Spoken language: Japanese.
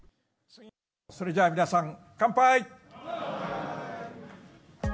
それじゃあ皆さん、乾杯！